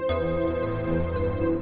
saya mau ke hotel ini